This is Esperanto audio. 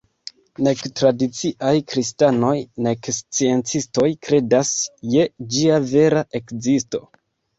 Nek tradiciaj kristanoj nek sciencistoj kredas je ĝia vera ekzisto.